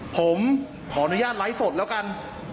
ผมขออนุญาตไลฟ์สดแล้วกัน